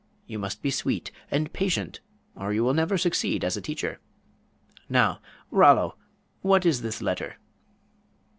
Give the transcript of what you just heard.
You must be sweet and patient, or you will never succeed as a teacher. Now, Rollo, what is this letter?"